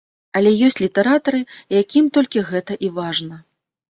Але ёсць літаратары, якім толькі гэта і важна.